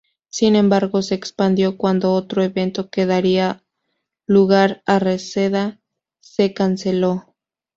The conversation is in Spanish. Sin embargo, se expandió cuando otro evento que daría lugar en Reseda se canceló.